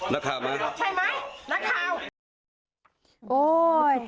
ลูกมาเร็ว